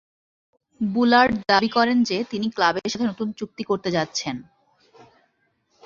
বুলার্ড দাবী করেন যে, তিনি ক্লাবের সাথে নতুন চুক্তি করতে যাচ্ছেন।